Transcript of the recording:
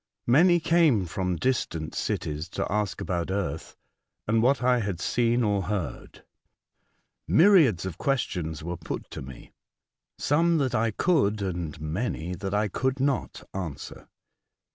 Many came from distant cities to ask about earth and what I had seen or heard. Myriads of questions were put to me — some that I could, and many that I could not, answer.